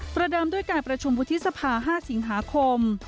เดิมด้วยการประชุมวุฒิสภา๕สิงหาคม